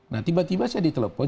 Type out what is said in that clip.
nah tiba tiba saya ditelepon